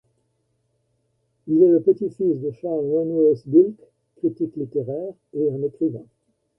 Il est le petit-fils de Charles Wentworth Dilke critique littéraire et un écrivain.